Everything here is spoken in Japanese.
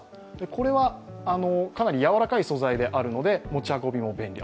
これは、かなりやわらかい素材であるので、持ち運びも便利。